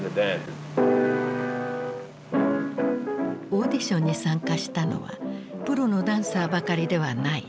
オーディションに参加したのはプロのダンサーばかりではない。